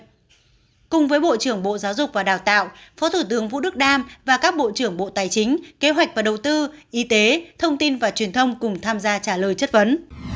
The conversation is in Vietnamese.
nhóm vấn đề cuối cùng liên quan đến lĩnh vực giáo dục đào tạo phố thủ tướng vũ đức đam và các bộ trưởng bộ tài chính kế hoạch và đầu tư y tế thông tin và truyền thông cùng tham gia trả lời chất vấn